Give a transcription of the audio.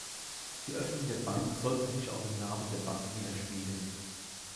Die Öffnung der Bank sollte sich auch im Namen der Bank widerspiegeln.